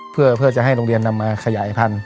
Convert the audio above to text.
เพื่อจะให้โรงเรียนนำมาขยายพันธุ